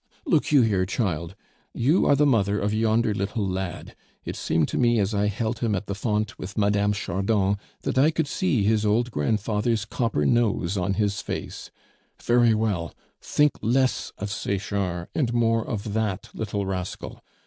Look you here, child; you are the mother of yonder little lad; it seemed to me as I held him at the font with Mme. Chardon that I could see his old grandfather's copper nose on his face; very well, think less of Sechard and more of that little rascal.